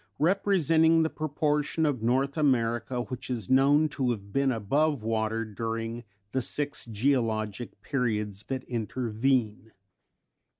5), representing the proportion of North America which is known to have been above water during the six geologic periods that intervene.